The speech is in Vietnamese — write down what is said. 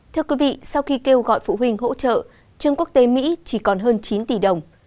thưa quý vị sau khi kêu gọi phụ huynh hỗ trợ trường quốc tế mỹ chỉ còn hơn chín tỷ đồng